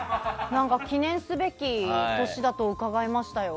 記念すべき年だと伺いましたよ。